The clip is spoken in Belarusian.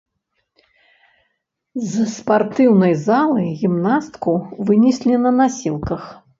З спартыўнай залы гімнастку вынеслі на насілках.